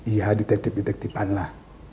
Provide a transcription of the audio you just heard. iya detektif detektifan lah